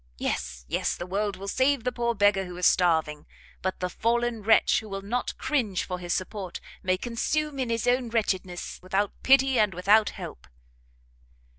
Yes, yes, the world will save the poor beggar who is starving; but the fallen wretch, who will not cringe for his support, may consume in his own wretchedness without pity and without help!"